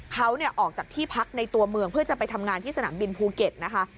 เขาออกจากที่พักในตัวเมืองเพื่อจะไปทำงานที่สนามบินภูเก็ตนะคะ